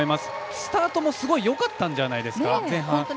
スタートもすごいよかったんじゃないですか、前半。